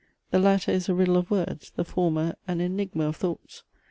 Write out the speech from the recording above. The latter is a riddle of words; the former an enigma of thoughts.